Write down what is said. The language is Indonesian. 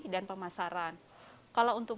dan pemasaran kalau untuk